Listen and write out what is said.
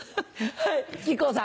はい。